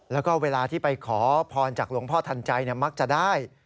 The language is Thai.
แล้วก็เวลาที่ไปขอพรจากหลวงพ่อทันใจมักจะได้